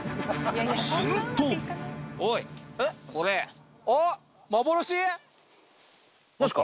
すると何すか？